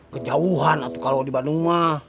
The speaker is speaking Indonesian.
kejauhan atu kalau di bandung ma